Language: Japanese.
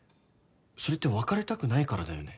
それって別れたくないからだよね。